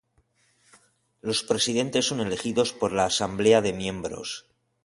Los presidentes son elegidos por la asamblea de miembros.